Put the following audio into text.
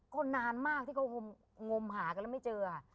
ก็นานมากที่เขางมหากันแล้วไม่เจอ